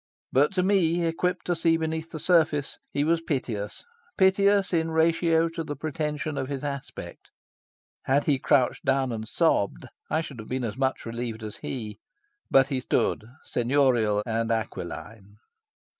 But to me, equipped to see beneath the surface, he was piteous, piteous in ratio to the pretension of his aspect. Had he crouched down and sobbed, I should have been as much relieved as he. But he stood seignorial and aquiline.